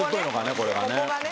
これがね。